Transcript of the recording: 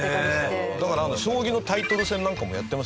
だから将棋のタイトル戦なんかもやってますよ